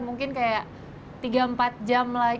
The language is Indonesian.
mungkin kayak tiga empat jam lagi